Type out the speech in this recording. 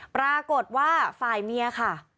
ปรากฏว่าฝ่ายเมียค่ะ